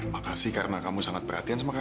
makasih karena kamu sangat perhatian sama kakak